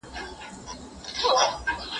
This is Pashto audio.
موږ باید له نړیوالو تجربو څخه ګټه واخلو.